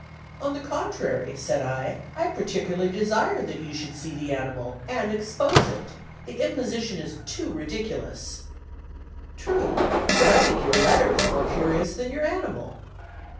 "On the contrary," said I, "I particularly desire that you should see the animal, and expose it. The imposition is too ridiculous." "True; but I think your letter is more curious than your animal."